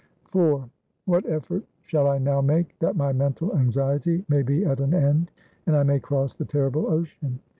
IV What effort shall I now make That my mental anxiety may be at an end, and I may cross the terrible ocean